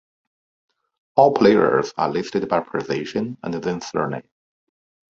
All players are listed by position and then surname.